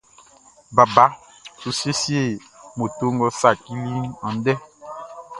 Baba su siesie moto ngʼɔ saciliʼn andɛ.